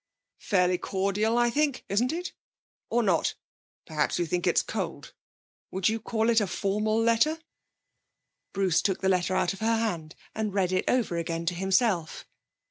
Fairly cordial, I think, isn't it? Or not? Perhaps you think it cold. Would you call it a formal letter?' Bruce took the letter out of her hand and read it over again to himself.